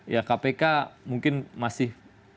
ya kpk mungkin masih